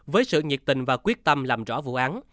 với sự nhiệt tình và quyết tâm làm rõ vụ án